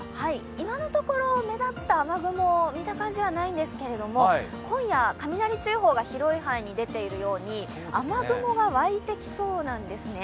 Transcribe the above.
今のところ目立った雨雲はないんですけれども、今夜、雷注意報が出ているように、雨雲がわいてきそうなんですね。